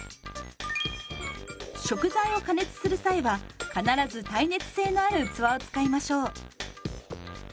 食材を加熱する際は必ず耐熱性のある器を使いましょう。